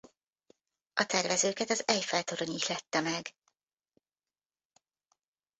A tervezőket az Eiffel-torony ihlette meg.